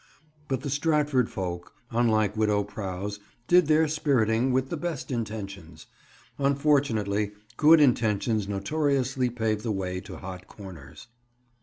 But the Stratford folk, unlike Widow Prowse, did their spiriting with the best intentions. Unfortunately, good intentions notoriously pave the way to hot corners.